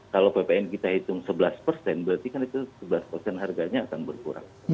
kalau ppn kita hitung sebelas persen berarti kan itu sebelas persen harganya akan berkurang